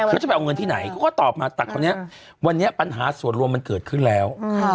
เขาจะไปเอาเงินที่ไหนเขาก็ตอบมาแต่คราวนี้วันนี้ปัญหาส่วนรวมมันเกิดขึ้นแล้ว